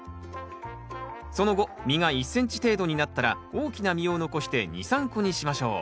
その後実が１ｃｍ程度になったら大きな実を残して２３個にしましょう。